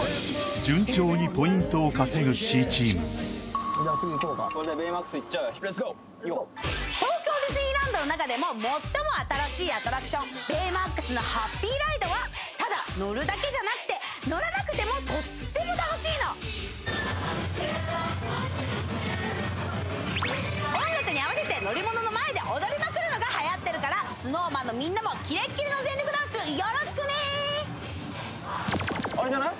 チームレッツゴー東京ディズニーランドの中でも最も新しいアトラクションベイマックスのハッピーライドはただ乗るだけじゃなくて乗らなくてもとっても楽しいの音楽に合わせて乗り物の前で踊りまくるのがはやってるからＳｎｏｗＭａｎのみんなもキレッキレのあれじゃない？